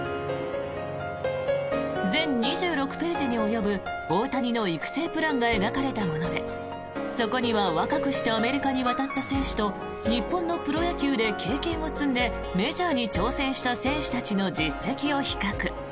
全２６ページに及ぶ大谷の育成プランが書かれたものでそこには、若くしてアメリカに渡った選手と日本のプロ野球で経験を積んでメジャーに挑戦した選手たちの実績を比較。